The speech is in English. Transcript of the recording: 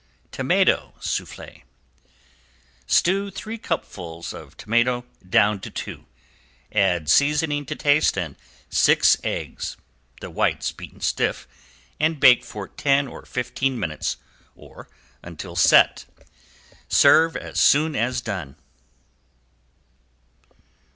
~TOMATO SOUFFLE~ Stew three cupfuls of tomato down to two, add seasoning to taste and six eggs, the whites beaten stiff, and bake for ten or fifteen minutes or until set. Serve as soon as done.